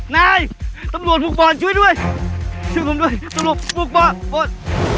นายตำรวจโฟฟอลช่วยด้วยช่วยผมด้วยตำรวจโฟฟอล